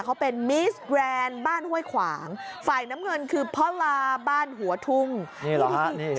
เขาเป็นบ้านห้วยขวางฝ่ายน้ำเงินคือบ้านหัวทุ่งนี่เหรอนี่